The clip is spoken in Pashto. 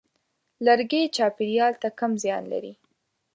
لرګی چاپېریال ته کم زیان لري.